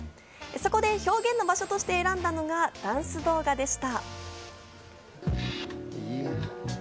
そこで表現の場所として選んだのがダンス動画でした。